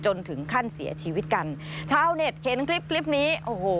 จนถึงขั้นเสียชีวิตกันชาวเน็ตเห็นคลิปคลิปนี้โอ้โห